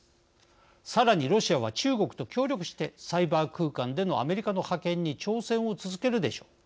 さらにロシアは中国と協力してサイバー空間でのアメリカの覇権に挑戦を続けるでしょう。